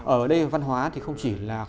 ở đây văn hóa thì không chỉ là